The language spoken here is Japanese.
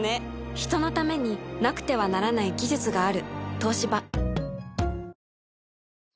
人のためになくてはならない技術がある。